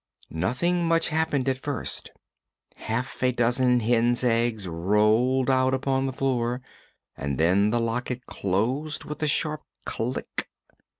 Nothing much happened at first; half a dozen hen's eggs rolled out upon the floor and then the locket closed with a sharp click.